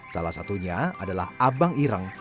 salah satunya adalah abang ireng